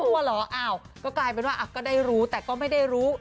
ไม่รู้ตัวเหรอก็กลายเป็นว่าก็ได้รู้แต่ก็ไม่ได้รู้